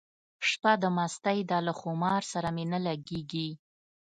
شپه د مستۍ ده له خمار سره مي نه لګیږي